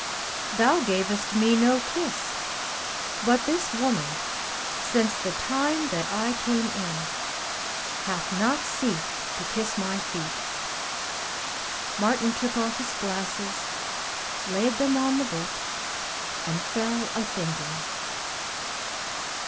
Thou gavest me no kiss, but this woman, since the time that I came in, hath 195 MY BOOK HOUSE not ceased to kiss my feet/' Martin took off his glasses, laid them on the book and fell a thinking.